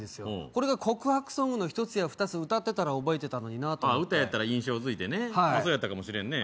これが告白ソングの１つや２つ歌ってたら覚えてたのになと歌やったら印象づいてねそやったかもしれんね